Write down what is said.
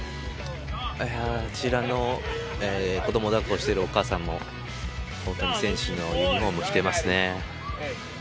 あちらの、子どもを抱っこしているお母さんも大谷選手のユニホームを着ていますね。